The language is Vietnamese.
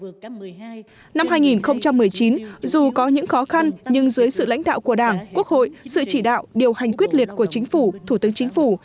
năm hai nghìn một mươi chín dù có những khó khăn nhưng dưới sự lãnh đạo của đảng quốc hội sự chỉ đạo điều hành quyết liệt của chính phủ thủ tướng chính phủ